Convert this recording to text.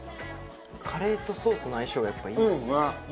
カレーとソースの相性がやっぱいいですね。